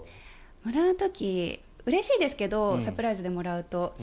もらう時うれしいですけどサプライズでもらうと。